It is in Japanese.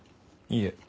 いいえ。